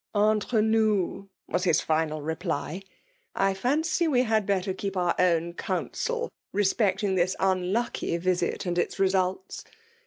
" Enire nous,'' was his final reply, " I fancy we had better keep our own counsel respect ing this unlucky visit and its results.